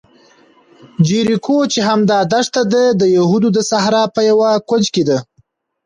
جیریکو چې همدا دښته ده، د یهودو د صحرا په یوه کونج کې دی.